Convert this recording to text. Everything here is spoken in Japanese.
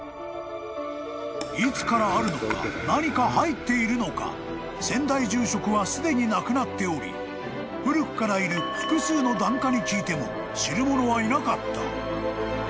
［いつからあるのか何か入っているのか先代住職はすでに亡くなっており古くからいる複数の檀家に聞いても］